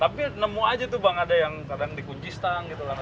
tapi nemu aja tuh bang ada yang kadang di kunci stang gitu